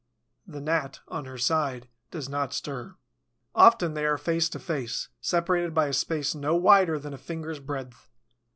The Gnat, on her side, does not stir. Often they are face to face, separated by a space no wider than a finger's breadth.